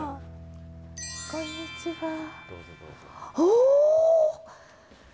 こんにちは。おっ！